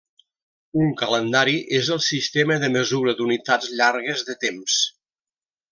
Un calendari és el sistema de mesura d'unitats llargues de temps.